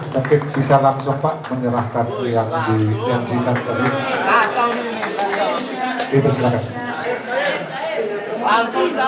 dan bisa langsung pak menyerahkan pilihan kita